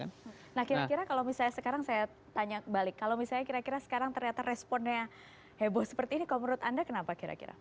nah kira kira kalau misalnya sekarang saya tanya balik kalau misalnya kira kira sekarang ternyata responnya heboh seperti ini kalau menurut anda kenapa kira kira